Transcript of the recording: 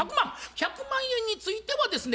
１００万円についてはですね